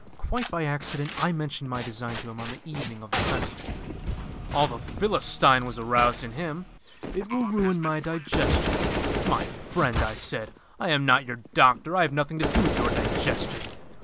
Quite by accident I mentioned my design to him on the evening of the festival. All the Philistine was aroused in him. 'It will ruin my digestion.' 'My friend,' I said, 'I am not your doctor; I have nothing to do with your digestion.